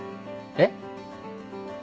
えっ？